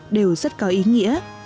đều rất có ý nghĩa